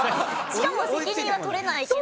しかも「責任は取れないけど」。